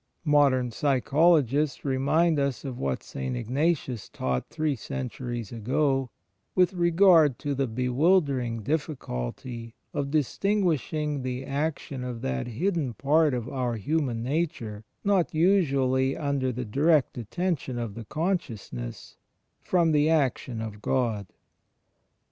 Modem psychologists remind us of what St. Ignatius taught three centuries ago, with regard to the bewildering difficulty of distin guishing the action of that hidden part of our hiunan nature not usually under the direct attention of the consciousness, from the action of God.